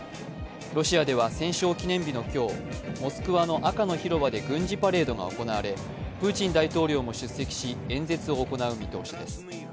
ロシアでは戦勝記念日の今日、モスクワの赤の広場で軍事パレードが行われプーチン大統領も出席し、演説を行う見通しです。